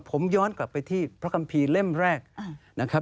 ผมย้อนกลับไปที่พระคัมภีร์เล่มแรกนะครับ